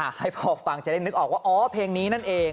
ให้พอฟังจะได้นึกออกว่าอ๋อเพลงนี้นั่นเอง